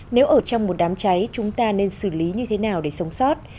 nếu ở trong một đám cháy chúng ta nên xử lý như thế nào để sống sót